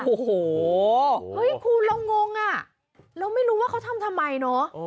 โอ้โหเฮ้ยคุณเรางงอ่ะเราไม่รู้ว่าเขาทำทำไมเนอะ